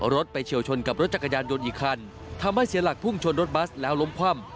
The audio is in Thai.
ไปเฉียวชนกับรถจักรยานยนต์อีกคันทำให้เสียหลักพุ่งชนรถบัสแล้วล้มคว่ำ